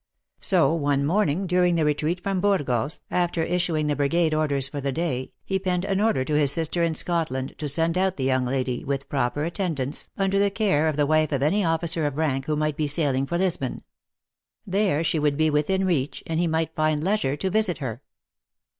So, one morning, during the retreat from Burgos, after issuing the brigade orders for the day, he penned an order to his sister in Scotland, to send out the young lady, with proper attendants, under the care of the wife of any officer of rank who might be sailing for 20 THE ACTRESS IX HIGH LIFE. Lisbon. There she would be within reach, and lie might find leisure to visit her.